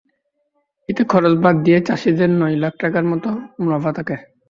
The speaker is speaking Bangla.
এতে খরচ বাদ দিয়ে চাষিদের নয় লাখ টাকার মতো মুনাফা থাকে।